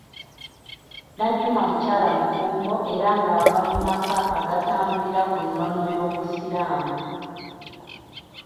Najjuma mukyala mufumbo era ng'ava mu maka agatambulira ku nnono y'obusiraamu